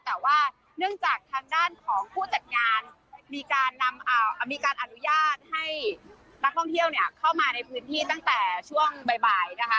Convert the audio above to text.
แต่ว่าเนื่องจากทางด้านของผู้จัดงานมีการอนุญาตให้นักท่องเที่ยวเนี่ยเข้ามาในพื้นที่ตั้งแต่ช่วงบ่ายนะคะ